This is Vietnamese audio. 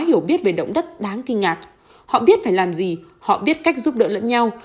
hiểu biết về động đất đáng kinh ngạc họ biết phải làm gì họ biết cách giúp đỡ lẫn nhau